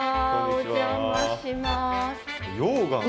お邪魔します。